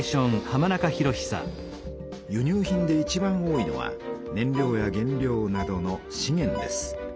輸入品でいちばん多いのは燃料や原料などのしげんです。